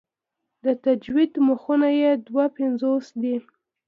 د تجوید مخونه یې دوه پنځوس دي.